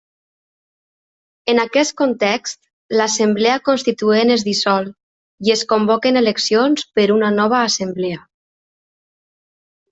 En aquest context, l'Assemblea Constituent es dissol i es convoquen eleccions per una nova Assemblea.